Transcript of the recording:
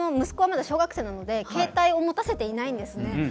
息子はまだ小学生なので携帯を持たせていないんですね。